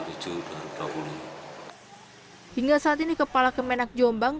hai hingga saat ini kepala kemenang jombang